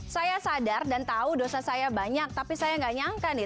saya sadar dan tahu dosa saya banyak tapi saya nggak nyangka nih